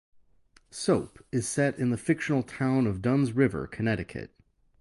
"Soap" is set in the fictional town of Dunn's River, Connecticut.